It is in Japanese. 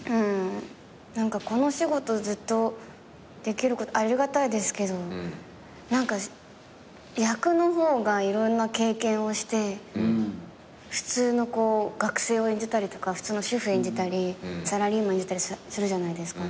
このお仕事ずっとできることありがたいですけど何か役の方がいろんな経験をして普通の学生を演じたり普通の主婦演じたりサラリーマン演じたりするじゃないですか。